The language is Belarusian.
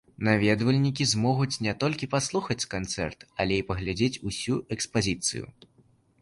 Наведвальнікі змогуць не толькі паслухаць канцэрт, але і паглядзець усю экспазіцыю.